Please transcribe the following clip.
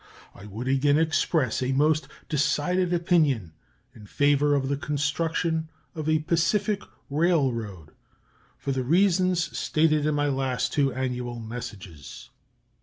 I would again express a most decided opinion in favor of the construction of a Pacific railroad, for the reasons stated in my two last annual messages.